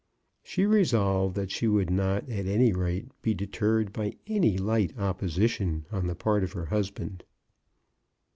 She resolved that she would not, at any rate, be deterred by any light oppo sition on the part of her husband.